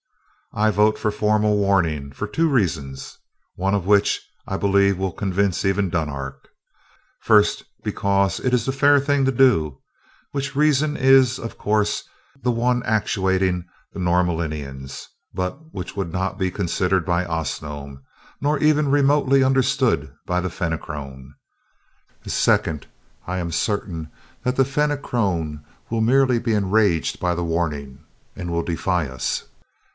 "I vote for formal warning, for two reasons, one of which I believe will convince even Dunark. First, because it is the fair thing to do which reason is, of course, the one actuating the Norlaminians, but which would not be considered by Osnome, nor even remotely understood by the Fenachrone. Second, I am certain that the Fenachrone will merely be enraged by the warning and will defy us.